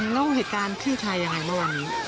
แล้ววิธีการชื่อชายังไหนมาวันนี้